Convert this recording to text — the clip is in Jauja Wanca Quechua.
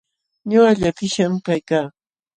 Ñuqa llakishqan kaykaa.